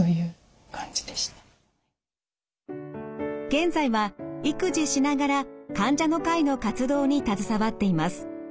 現在は育児しながら患者の会の活動に携わっています。